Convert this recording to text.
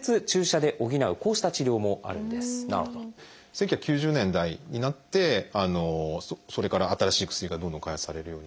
１９９０年代になってそれから新しい薬がどんどん開発されるように。